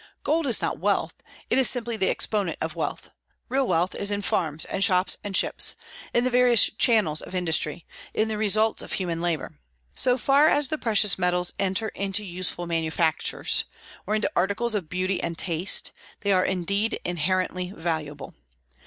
Gold is not wealth; it is simply the exponent of wealth. Real wealth is in farms and shops and ships, in the various channels of industry, in the results of human labor. So far as the precious metals enter into useful manufactures, or into articles of beauty and taste, they are indeed inherently valuable.